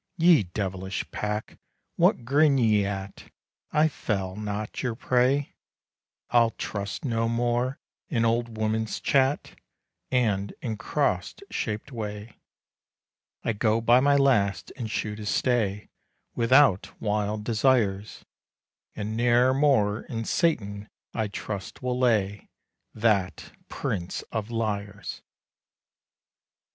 Ye devilish pack, what grin ye at? I fell not your prey; I'll trust no more in old women's chat, And in cross shaped way. I go by my last and shoe to stay, Without wild desires; And ne'er more in Satan I trust will lay, That prince of liars!